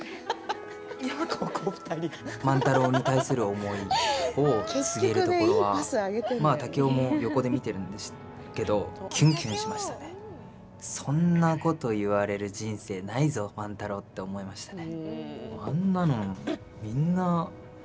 万太郎に対する思いを告げるところは竹雄も横で見てるんですけどそんなこと言われる人生ないぞ万太郎って思いましたね。